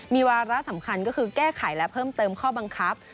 มีวาระสำคัญก็คือแก้ไขและเพิ่มเติมข้อบังคับ